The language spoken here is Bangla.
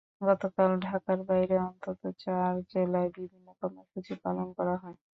গতকাল ঢাকার বাইরে অন্তত চার জেলায় বিভিন্ন কর্মসূচি পালন করা হয়।